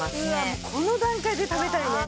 もうこの段階で食べたいね。